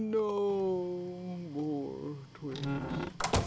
no more twist!"